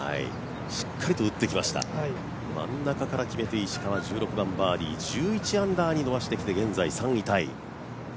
しっかりと打ってきました真ん中から決めて石川、１６番バーディー１１アンダーに伸ばして現在３位タイ。